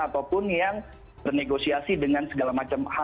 ataupun yang bernegosiasi dengan segala macam hal